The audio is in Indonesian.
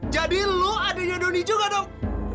jadi lo adiknya donny juga dong